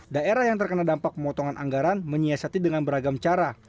daerah yang terkena dampak pemotongan anggaran menyiasati dengan beragam cara